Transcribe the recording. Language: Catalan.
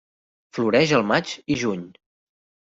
Floreix al maig i juny.